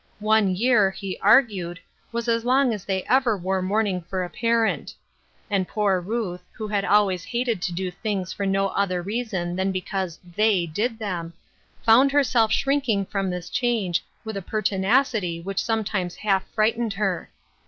One year, he argued, was as long as they ever wore mourning for a parent ; and poor Ruth, who had always hated to do things for no better reason than because "they" did them, found herself shrinking from this change with a pertinacity which sometimes half frightened her.